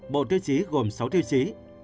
bộ tư chí gồm sáu tiêu chí